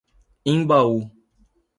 Imbaú